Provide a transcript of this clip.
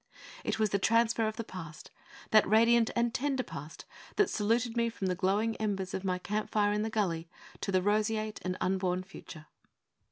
It was the transfer of the Past that radiant and tender Past that saluted me from the glowing embers of my camp fire in the gully to the roseate and unborn future.